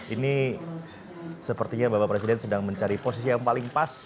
ini sepertinya bapak presiden sedang mencari posisi yang paling pas